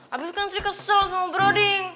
abis kan sri kesel sama bro d